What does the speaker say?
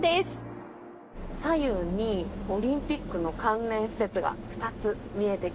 左右にオリンピックの関連施設が２つ見えてきます。